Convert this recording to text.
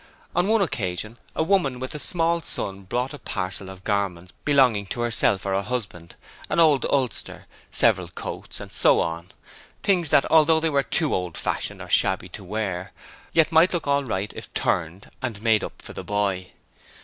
On one occasion a woman with a small son brought a parcel of garments belonging to herself or her husband, an old ulster, several coats, and so on things that although they were too old fashioned or shabby to wear, yet might look all right if turned and made up for the boy.